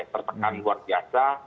tertekan luar biasa